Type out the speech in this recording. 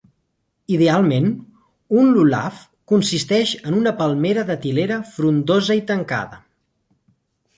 Idealment, un "lulav" consisteix en una palmera datilera frondosa i tancada.